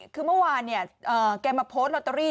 คือเมื่อวานเนี่ยแกมาโพสต์ลอตเตอรี่